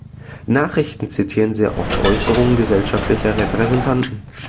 Nachrichten zitieren sehr oft Äußerungen gesellschaftlicher Repräsentanten.